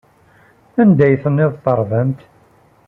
Anda ay ten-id-tṛebbamt?